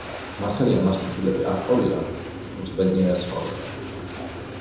მართალია მასთან შვილები არ ჰყოლია, თუმცა ბედნიერად ცხოვრობდა.